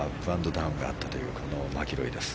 ダウンがあったというマキロイです。